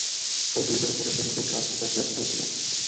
ওই ব্রিজের উপরে সে নিজেই ট্রান্সমিটার প্রেস করেছিল।